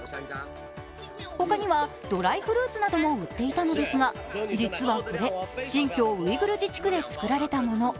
他にはドライフルーツなども売っていたのですが、実はこれ、新疆ウイグル自治区で作られたもの。